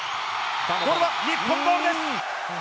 ボールは日本ボールです。